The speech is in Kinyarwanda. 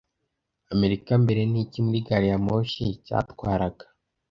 Amerika mbere niki muri Gariyamoshi cyatwaraga